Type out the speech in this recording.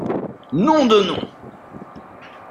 Nom d’un nom !